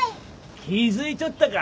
気付いちょったか。